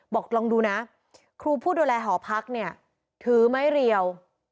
บอกลองดูนะครูผู้ดูแลหอพักเนี่ยถือไม้เรียว